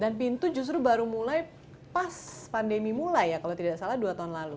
dan pintu justru baru mulai pas pandemi mulai ya kalau tidak salah dua tahun lalu